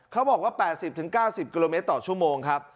เขาบอกว่า๘๐๙๐กิโลเมตรต่อชั่วโมงครับ